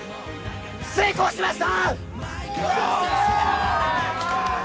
成功しました！